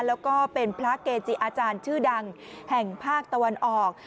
แล้วก็เป็นพระเกจิอาจารย์ชื่อดังแห่งภาคตะวันออก